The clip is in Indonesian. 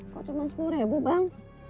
kok cuma sepuluh ribu bang